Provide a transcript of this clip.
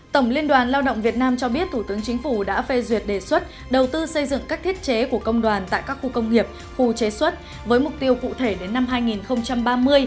tổng liên đoàn lao động việt nam cho biết thủ tướng chính phủ đã phê duyệt đề xuất đầu tư xây dựng các thiết chế của công đoàn tại các khu công nghiệp khu chế xuất với mục tiêu cụ thể đến năm hai nghìn ba mươi